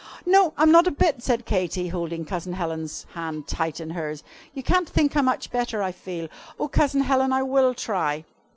"No, I'm not a bit," said Katy, holding Cousin Helen's hand tight in hers; "you can't think how much better I feel. Oh, Cousin Helen, I will try!"